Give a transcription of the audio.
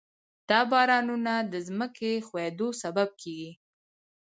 دا بارانونه د ځمکې ښویېدو سبب کېږي.